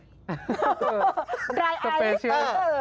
สเปชิ้น